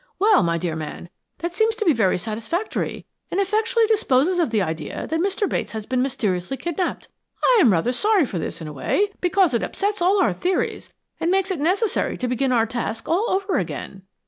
Well, my dear man, that seems to be very satisfactory, and effectually disposes of the idea that Mr. Bates has been mysteriously kidnapped. I am rather sorry for this in a way, because it upsets all our theories and makes it necessary to begin our task all over again."